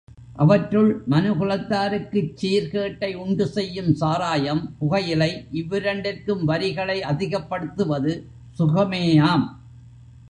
அவற்றுள் மனு குலத்தாருக்குச் சீர்கேட்டை உண்டு செய்யும் சாராயம், புகையிலை இவ்விரண்டிற்கும் வரிகளை அதிகப்படுத்துவது சுகமேயாம்.